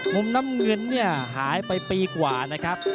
มุมน้ำเงินเนี่ยหายไปปีกว่านะครับ